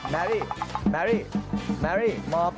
แมรี่แมรี่แมรี่หมอบ